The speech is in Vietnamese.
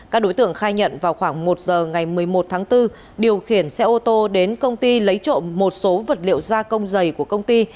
các đối tượng khai nhận vào khoảng một giờ ngày một mươi một tháng bốn điều khiển xe ô tô đến công ty lấy trộm một số vật liệu gia công dày của công ty